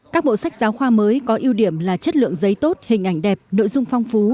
các bộ sách giáo khoa mới có ưu điểm là chất lượng giấy tốt hình ảnh đẹp nội dung phong phú